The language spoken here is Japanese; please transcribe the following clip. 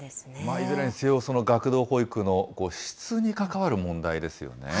いずれにせよ、その学童保育の質に関わる問題ですよね。